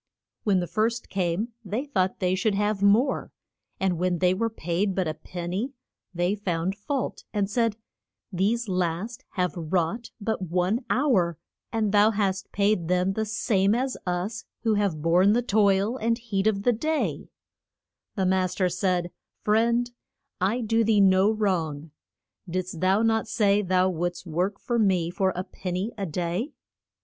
When the first came they thought they should have more, and when they were paid but a pen ny they found fault, and said, These last have wrought but one hour, and thou hast paid them the same as us who have born the toil and heat of the day. [Illustration: LA BOR ERS IN THE VINE YARD.] The mas ter said, Friend, I do thee no wrong. Didst thou not say thou wouldst work for me for a pen ny a day?